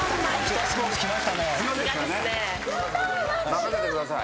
任せてください。